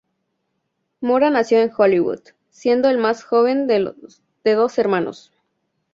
Mora nació en Hollywood, siendo el más joven de dos hermanos.